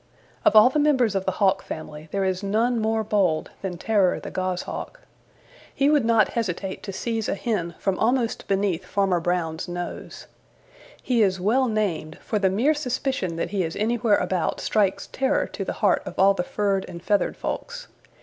Of all the members of the Hawk family there is none more bold than Terror the Goshawk. He would not hesitate to seize a hen from almost beneath Farmer Brown's nose. He is well named, for the mere suspicion that he is anywhere about strikes terror to the heart of all the furred and feathered folks.